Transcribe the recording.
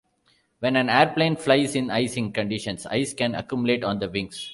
When an airplane flies in icing conditions, ice can accumulate on the wings.